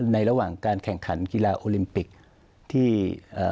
ระหว่างการแข่งขันกีฬาโอลิมปิกที่เอ่อ